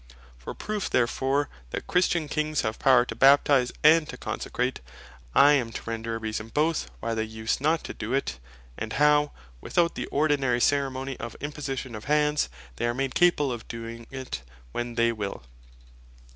For proof therefore that Christian Kings have power to Baptize, and to Consecrate, I am to render a reason, both why they use not to doe it, and how, without the ordinary ceremony of Imposition of hands, they are made capable of doing it, when they will.